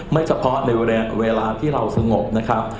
เฉพาะในเวลาที่เราสงบนะครับ